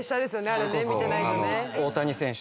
あれね見てないとね。